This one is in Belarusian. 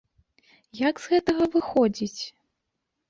Як з гэтага выходзіць?